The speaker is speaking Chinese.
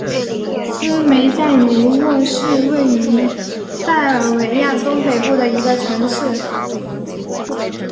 斯梅代雷沃是位于塞尔维亚东北部的一个城市。